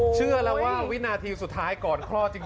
เชื่อแล้วว่าวินาทีสุดท้ายก่อนคลอดจริง